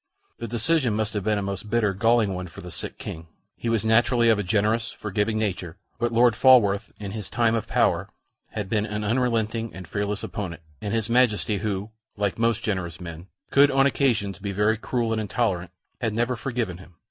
The decision must have been a most bitter, galling one for the sick King. He was naturally of a generous, forgiving nature, but Lord Falworth in his time of power had been an unrelenting and fearless opponent, and his Majesty who, like most generous men, could on occasions be very cruel and intolerant, had never forgiven him.